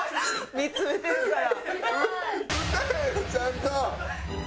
見つめてるから。